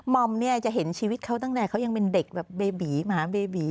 อมเนี่ยจะเห็นชีวิตเขาตั้งแต่เขายังเป็นเด็กแบบเบบีหมาเบบี